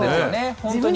本当に。